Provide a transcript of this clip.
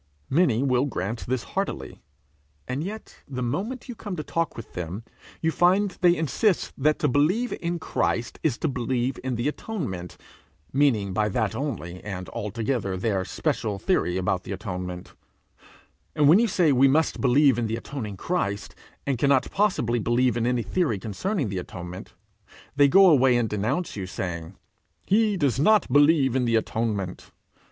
Many will grant this heartily, and yet the moment you come to talk with them, you find they insist that to believe in Christ is to believe in the atonement, meaning by that only and altogether their special theory about the atonement; and when you say we must believe in the atoning Christ, and cannot possibly believe in any theory concerning the atonement, they go away and denounce you, saying, 'He does not believe in the atonement!'